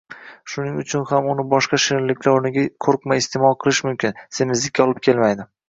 Shuning uchun ham uni boshqa shirinliklar oʻrniga qoʻrqmay isteʼmol qilish mumkin, semizlikka olib kelmaydi.